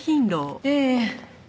ええ。